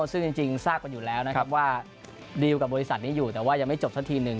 ซึ่งจริงทราบว่าดีลกับบริษัทนี้อยู่แต่ว่ายังไม่จบซะทีนึง